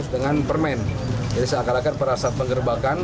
dengan permen jadi seakan akan perasaan pengerbakan